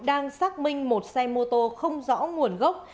đang xác minh một xe mô tô không rõ nguồn gốc